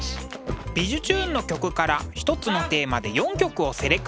「びじゅチューン！」の曲から一つのテーマで４曲をセレクト。